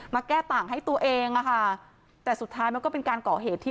แก้ต่างให้ตัวเองอะค่ะแต่สุดท้ายมันก็เป็นการก่อเหตุที่